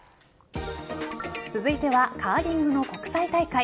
続いてはカーリングの国際大会。